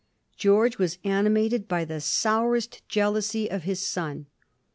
George was animated by the sourest jealousy of his son.